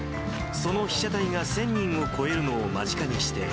その被写体が１０００人を超えるのを間近にして。